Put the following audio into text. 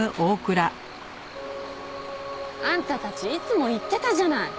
あんたたちいつも言ってたじゃない。